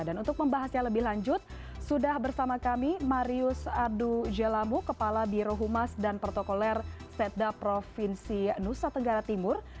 dan untuk membahasnya lebih lanjut sudah bersama kami marius ardu jelamu kepala birohumas dan protokoler setda provinsi nusa tenggara timur